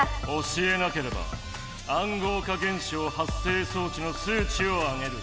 教えなければ暗号化現象発生装置の数ちを上げる。